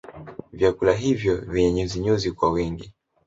Vyakula hivyo vyenye nyuzinyuzi kwa wingi